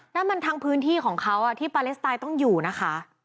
แล้วมันทางพื้นที่ของเขาที่ปาเลสไตน์ต้องอยู่นะคะ